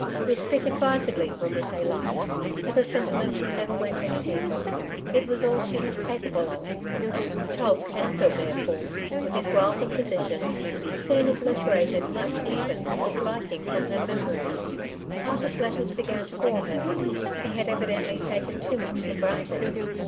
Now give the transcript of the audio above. We speak advisedly when we say likedy for the sentiment never went any deeper ; it was all she was capable of. Charles Canthor, therefore, with his wealth and position soon obliterated much even of this liking from her memory. Arthur^s letters began to bore her, he had evidently taken too much for granted.